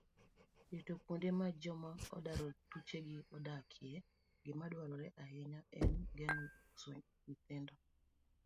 Ritokuondemajomaoringothuchegiodakieengimadwaroreahinyaegeng'oohalamarusonyithindo.